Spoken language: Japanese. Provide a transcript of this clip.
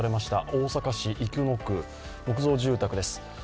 大阪市生野区、木造住宅です。